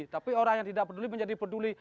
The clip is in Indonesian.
tapi orang yang tidak peduli menjadi peduli